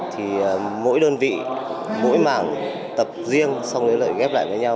thì mỗi đơn vị mỗi mảng tập riêng xong đấy lại ghép lại với nhau